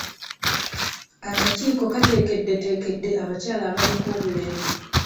Akakiiko kateekeddeteekedde abakyala abaliko obulemu.